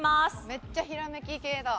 めっちゃひらめき系だ。